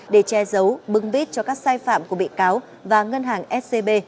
để che giấu bưng bít cho các sai phạm của bị cáo và ngân hàng scb